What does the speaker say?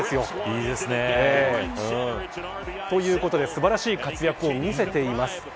いいですね。ということで、素晴らしい活躍を見せています。